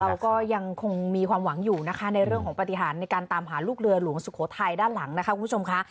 เราก็ยังคงมีความหวังอยู่นะคะในเรื่องของปฏิหารในการตามหาลูกเรือหลวงสุโขทัยด้านหลังนะคะคุณผู้ชมค่ะ